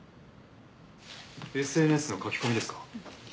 ＳＮＳの書き込みですか？